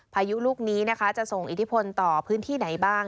พายุลูกนี้นะคะจะส่งอิทธิพลต่อพื้นที่ไหนบ้าง